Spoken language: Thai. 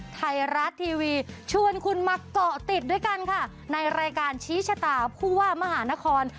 ไทยรัฐทีวีชวนคุณมาเกาะติดด้วยกันค่ะในรายการชี้ชะตาผู้ว่ามหานคร